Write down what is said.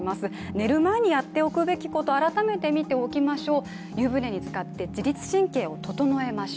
寝る前にやっておくべきこと、改めて見ておきましょう。